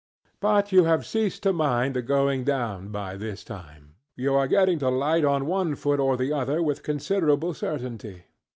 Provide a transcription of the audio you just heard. But you have ceased to mind the going down by this time; you are getting to light on one foot or the other with considerable certainty.